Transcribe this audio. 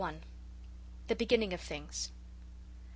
The beginning of things.